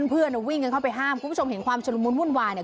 เพื่อนวิ่งกันเข้าไปห้ามคุณผู้ชมเห็นความชุดละมุนวุ่นวายเนี่ย